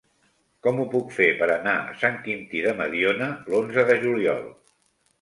Com ho puc fer per anar a Sant Quintí de Mediona l'onze de juliol?